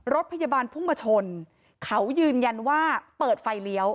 รถพยาบาลพุ่งมาชนเขายืนยันว่าเปิดไฟเลี้ยว